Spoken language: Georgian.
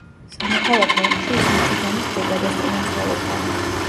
სამოქალაქო ომში ის მიჩიგანის ბრიგადას წინამძღოლობდა.